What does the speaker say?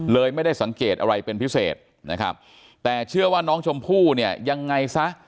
ไม่ได้สังเกตอะไรเป็นพิเศษนะครับแต่เชื่อว่าน้องชมพู่เนี่ยยังไงซะ